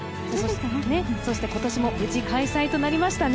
そして今年も無事開催となりましたね。